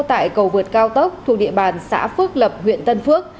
tại cầu vượt cao tốc thuộc địa bàn xã phước lập huyện tân phước